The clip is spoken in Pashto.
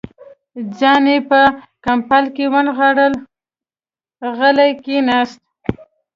ځان يې په کمپله کې ونغاړه، غلی کېناست.